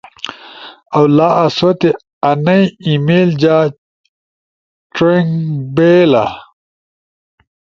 ۔او لا آسوتے انئی ای میل جا ڇوئنگ بئیلا۔